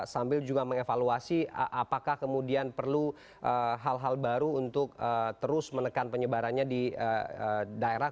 sambil juga mengevaluasi apakah kemudian perlu hal hal baru untuk terus menekan penyebarannya di daerah